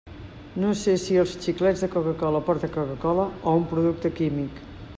No sé si els xiclets de Coca-cola porten Coca-cola o un producte químic.